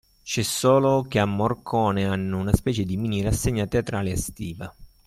C’è solo che a Morcone hanno una specie di mini rassegna teatrale estiva.